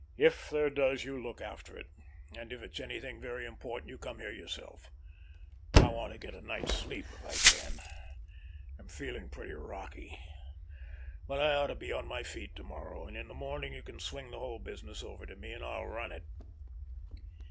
"If there does you look after it; or if it's anything very important you come here yourself. I want to get a night's sleep if I can, I'm feeling pretty rocky. But I ought to be on my feet to morrow, and in the morning you can swing the whole business over to me, and I'll run it."